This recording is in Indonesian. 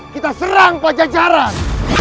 kita serang pajajaran